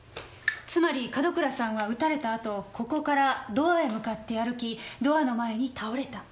つまり門倉さんは撃たれたあとここからドアへ向かって歩きドアの前に倒れた。